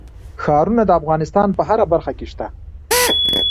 ښارونه د افغانستان په هره برخه کې شته.